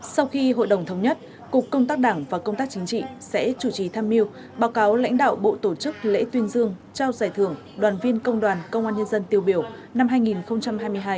sau khi hội đồng thống nhất cục công tác đảng và công tác chính trị sẽ chủ trì tham mưu báo cáo lãnh đạo bộ tổ chức lễ tuyên dương trao giải thưởng đoàn viên công đoàn công an nhân dân tiêu biểu năm hai nghìn hai mươi hai dự kiến diễn ra vào trung tuần tháng sáu năm hai nghìn hai mươi ba tại hà nội